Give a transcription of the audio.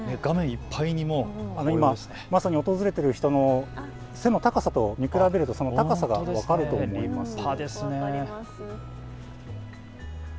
今、まさに訪れている人の背の高さと見比べるとその高さが分かると思います。